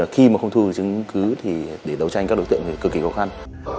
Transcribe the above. khi mà không thu được chứng cứ thì để đấu tranh các đối tượng thì cực kỳ khó khăn